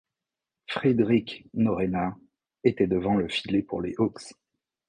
Fredrik Norrena était devant le filet pour les Hawks.